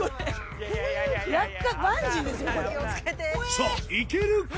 さぁいけるか？